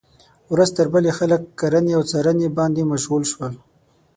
ورځ تر بلې خلک کرنې او څارنې باندې مشغول شول.